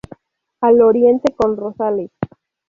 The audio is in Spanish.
Al oriente, con Rosales.